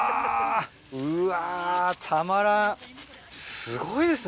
うわたまらんすごいですね。